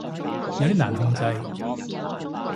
有啲難控制